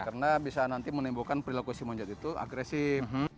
karena bisa nanti menimbulkan perilakuasi monyet itu agresif